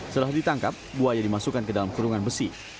setelah ditangkap buaya dimasukkan ke dalam kurungan besi